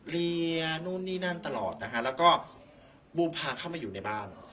เรียนนู่นนี่นั่นตลอดนะคะแล้วก็บูมพาเข้ามาอยู่ในบ้าน